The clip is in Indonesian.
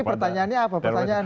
ini pertanyaannya apa